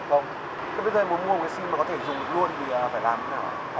cái bây giờ em muốn mua một cái sim mà có thể dùng luôn thì phải làm thế nào ạ